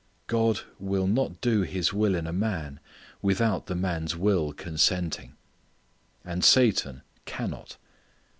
God will not do His will in a man without the man's will consenting. And Satan cannot.